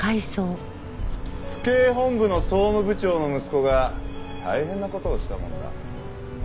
府警本部の総務部長の息子が大変な事をしたもんだ。